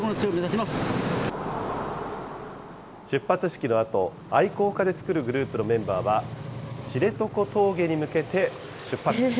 出発式のあと、愛好家で作るグループのメンバーは、知床峠に向けて出発。